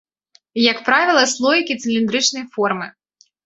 Як правіла, слоікі цыліндрычнай формы.